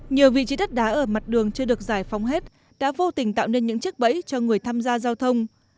nhiều vị trí đất đá ở mặt đường chưa được giải phóng hết đã vô tình tạo nên những chiếc bẫy cho người tham gia giao thông